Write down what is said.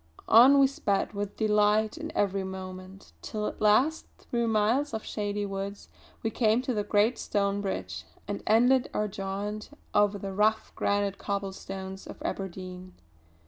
On we sped with delight in every moment, till at last through miles of shady woods we came to the great stone bridge, and ended our jaunt over the rough granite cobblestones of Aberdeen.